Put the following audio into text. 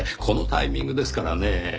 このタイミングですからねぇ。